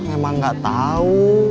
emang gak tau